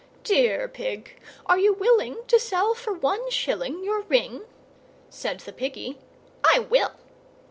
III. "Dear Pig, are you willing to sell for one shilling Your ring?" Said the Piggy, "I will."